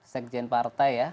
sekjen partai ya